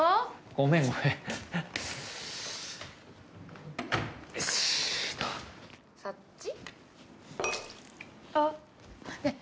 ごめんごめんよしっとあっねえ